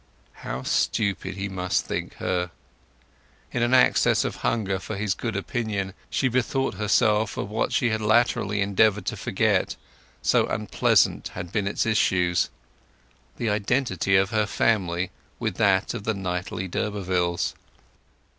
How stupid he must think her! In an access of hunger for his good opinion she bethought herself of what she had latterly endeavoured to forget, so unpleasant had been its issues—the identity of her family with that of the knightly d'Urbervilles.